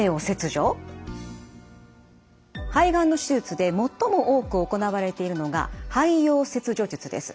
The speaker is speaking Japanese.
肺がんの手術で最も多く行われているのが肺葉切除術です。